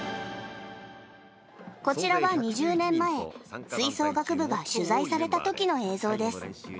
こちらは２０年前、吹奏楽部が取材されたときの映像です。